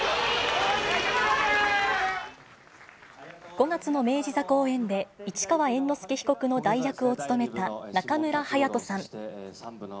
５月の明治座公演で、市川猿之助被告の代役を務めた中村隼人さん。